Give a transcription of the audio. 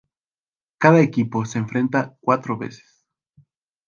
Cada equipo se enfrenta cuatro veces.